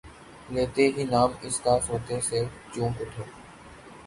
لیتے ہی نام اس کا سوتے سے چونک اٹھے